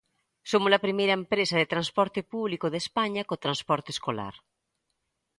Somos a primeira empresa de transporte público de España co transporte escolar.